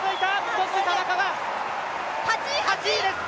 そして田中が８位です！